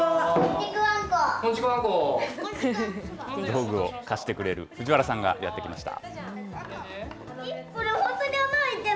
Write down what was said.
道具を貸してくれる藤原さんがやって来ました。